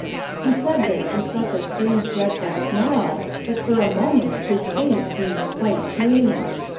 He said this with such a strange dreadful snarl that for the moment his face seemed quite changed.